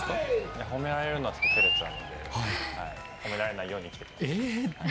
いや褒められるのはちょっとてれちゃうので褒められないように生きてきました。